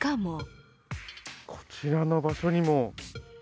こちらの場所にも。